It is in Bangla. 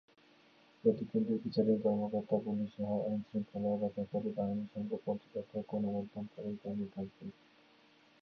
প্রতি কেন্দ্রে প্রিসাইডিং কর্মকর্তা, পুলিশসহ আইনশৃঙ্খলা রক্ষাকারী বাহিনীর সঙ্গে পর্যবেক্ষক, গণমাধ্যমকর্মীরা থাকবেন।